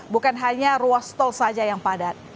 bukan hanya ruas tol saja yang padat